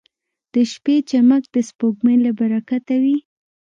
• د شپې چمک د سپوږمۍ له برکته وي.